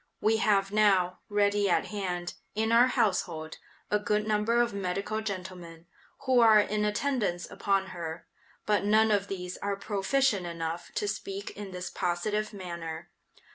We have now, ready at hand, in our household, a good number of medical gentlemen, who are in attendance upon her, but none of these are proficient enough to speak in this positive manner.